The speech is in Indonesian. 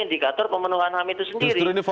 indikator pemenuhan ham itu sendiri